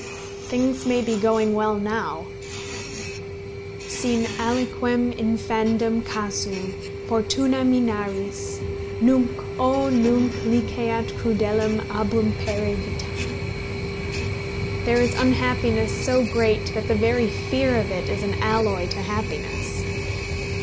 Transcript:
Things may be going well now "Sin aliquem infandum casum, Fortuna, minaris; Nunc, o nunc liceat crudelem abrumpere vitam." There is unhappiness so great that the very fear of it is an alloy to happiness.